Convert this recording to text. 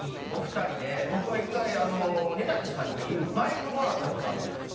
僕は１回根建さんにバイクもらった事あるんですよ。